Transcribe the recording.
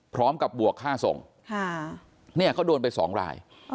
พร้อมกับบวกค่าส่งเนี่ยเขาโดนไปสองลาย